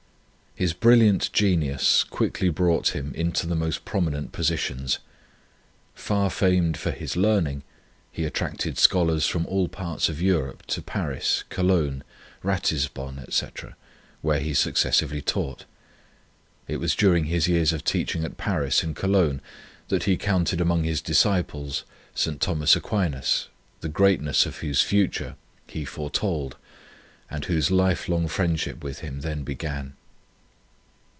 His brilliant genius quickly brought him into the most promi 7 Preface nent positions. Far famed for his learning, he attracted scholars from all parts of Europe to Paris, Cologne, Ratisbon, etc., where he successively taught. It was during his years of teaching at Paris and Cologne that he counted among his disciples St. Thomas Aquinas, the greatness of whose future he foretold, and whose lifelong friend ship with him then began.